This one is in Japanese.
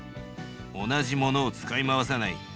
同じものを使い回さない。